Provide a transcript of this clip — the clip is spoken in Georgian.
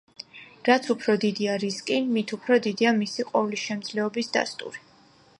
რაც უფრო დიდია რისკი, მით უფრო დიდია მისი ყოვლისშემძლეობის დასტური.